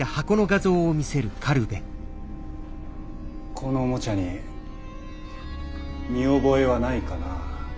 このおもちゃに見覚えはないかな？